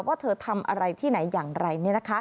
ว่าเธอทำอะไรที่ไหนอย่างไร